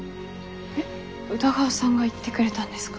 えっ宇田川さんが言ってくれたんですか？